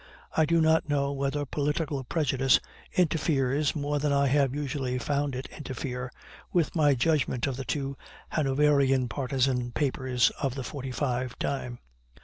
I do not know whether political prejudice interferes, more than I have usually found it interfere, with my judgment of the two Hanoverian partisan papers of the '45 time.